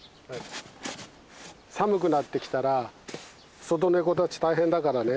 寒くなってきたら外猫たち大変だからね